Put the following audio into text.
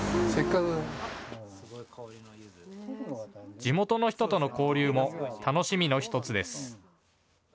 地元の人との交流も楽しみの１つです。